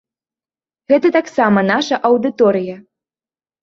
Гэта таксама наша аўдыторыя.